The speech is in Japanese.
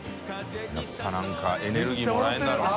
笋辰なんかエネルギーもらえるんだろうね。